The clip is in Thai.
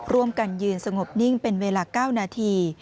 ร่วมกันยืนสงบนิ่งเป็นเวลา๙นาที